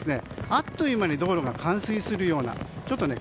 あっという間に道路が冠水するような。